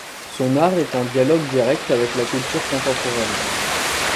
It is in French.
Son art est en dialogue direct avec la culture contemporaine.